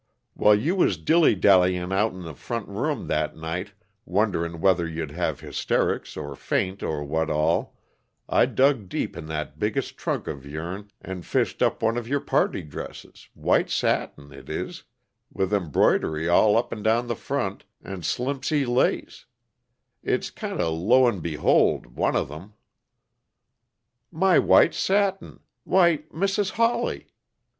While you was dillydallying out in the front room, that night, wondering whether you'd have hysterics, or faint, or what all, I dug deep in that biggest trunk of yourn, and fished up one of your party dresses white satin, it is, with embroid'ry all up 'n' down the front, and slimpsy lace; it's kinda low 'n' behold one of them " "My white satin why, Mrs. Hawley!